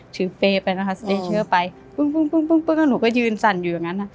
ถือเฟย์ไปนะคะสเตชเชอร์ไปปึ๊งหนูก็ยืนสั่นอยู่อย่างนั้นนะ